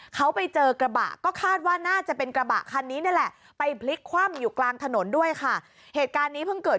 เขาไปเจอกระบะก็คาดว่าน่าจะเป็นกระบะคันนี้นี่แหละไปพลิกคว่ำอยู่กลางถนนด้วยค่ะเหตุการณ์นี้เพิ่งเกิด